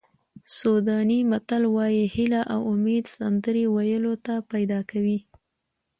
سوډاني متل وایي هیله او امید سندرې ویلو ته پیدا کوي.